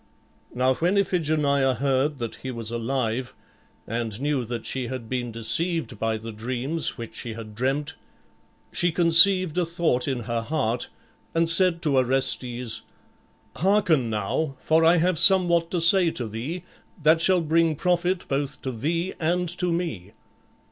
Now when Iphigenia heard that he was alive and knew that she had been deceived by the dreams which she had dreamt, she conceived a thought in her heart and said to Orestes, "Hearken now, for I have somewhat to say to thee that shall bring profit both to thee and to me.